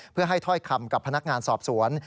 เพื่อให้ถ้อยคำกับพนักงานสอบสวน